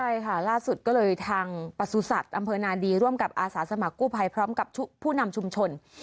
ใช่ค่ะล่าสุดก็เลยทางประสุทธิ์อำเภอนาดีร่วมกับอาสาสมัครกู้ภัยพร้อมกับผู้นำชุมชน